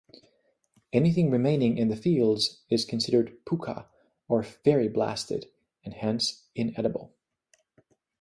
Anything remaining in the fields is considered "puka", or fairy-blasted, and hence inedible.